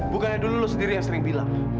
bukannya dulu lu sendiri yang sering bilang